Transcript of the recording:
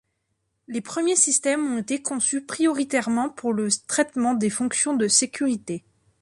Les premiers systèmes ont été conçus prioritairement pour le traitement des fonctions de sécurité.